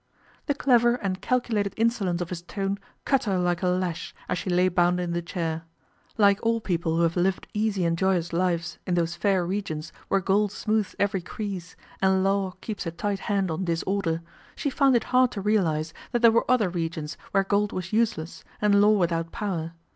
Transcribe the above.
The clever and calculated insolence of his tone cut her like a lash as she lay bound in the chair. Like all people who have lived easy and joyous lives in those fair regions where gold smoothes every crease and law keeps a tight hand on disorder, she found it hard to realize that there were other regions where gold was useless and law without power.